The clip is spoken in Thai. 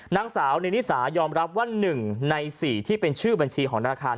นางสาวนิสายอมรับว่า๑ใน๔ที่เป็นชื่อบัญชีของธนาคาร